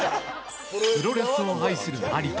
プロレスを愛する有田。